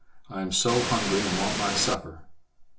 I am so hungry and want my supper."